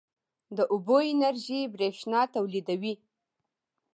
د اوبو انرژي برښنا تولیدوي